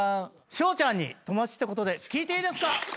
しょうちゃんに友達ってことで聞いていいですか？